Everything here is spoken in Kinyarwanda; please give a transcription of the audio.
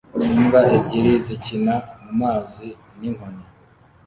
Imbwa ebyiri zikina mumazi ninkoni